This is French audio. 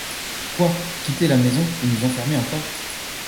Quoi ! quitter la maison, et nous enfermer encore ?